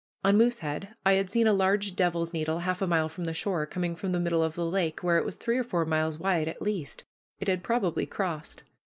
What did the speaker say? On Moosehead I had seen a large devil's needle half a mile from the shore, coming from the middle of the lake, where it was three or four miles wide at least. It had probably crossed.